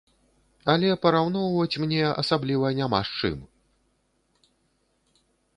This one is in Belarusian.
Але параўноўваць мне асабліва няма з чым.